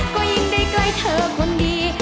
ก็ยิ่งได้ใกล้เธอคนดี